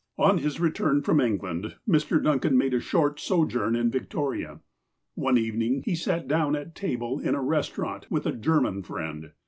On his return from England, Mr. Duncan made a short sojourn in Victoria. One evening he sat down at table in a restaurant with a German friend.